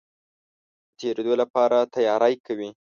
د تېرېدلو لپاره تیاری کوي.